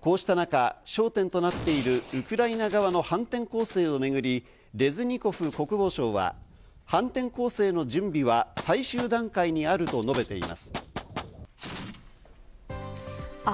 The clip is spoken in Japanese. こうした中、焦点となっているウクライナ側の反転攻勢をめぐり、レズニコフ国防相は反転攻勢の準備は最終段階にあると述べています。